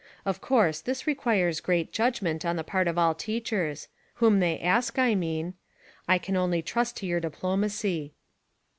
Of course, this requires great judg ment on the part of all teachers — whom they ask, I mean. I can only trust to your diplomacy.